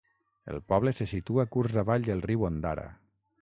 El poble se situa curs avall del riu Ondara.